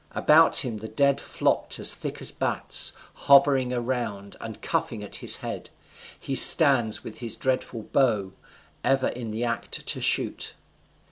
About him the dead flocked as thick as bats, hovering around, and cuffing at his head: he stands with his dreadful bow, ever in the act to shoot.